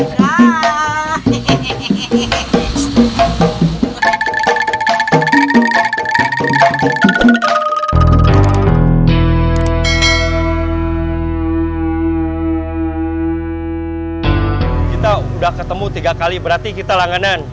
kita udah ketemu tiga kali berarti kita langganan